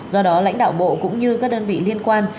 do đó lãnh đạo bộ cũng như các đơn vị liên quan